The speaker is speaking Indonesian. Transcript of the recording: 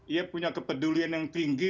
ia punya kepedulian yang tinggi